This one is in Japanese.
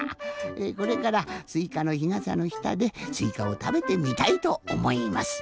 これからすいかのひがさのしたですいかをたべてみたいとおもいます。